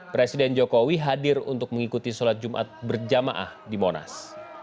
presiden jokowi hadir untuk mengikuti sholat jumat berjamaah di monas